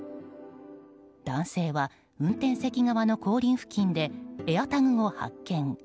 男性は運転席側の後輪付近でＡｉｒＴａｇを発見。